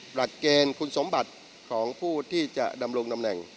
หลักเกณฑ์คุณสมบัติของผู้ที่จะดำรงตำแหน่ง